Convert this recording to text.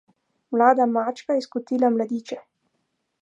Mlada mačka je skotila mladiče.